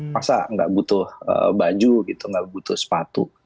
masa nggak butuh baju gitu nggak butuh sepatu